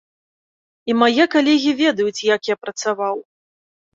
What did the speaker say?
І мае калегі ведаюць, як я працаваў.